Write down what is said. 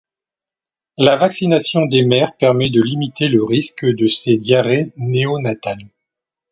La vaccination des mères permet de limiter le risque de ces diarrhées néonatales.